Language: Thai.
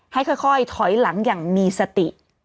ให้ค่อยถอยหลังอย่างมีสติ